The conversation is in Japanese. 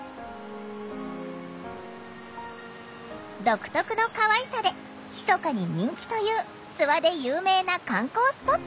独特のかわいさでひそかに人気という諏訪で有名な観光スポット。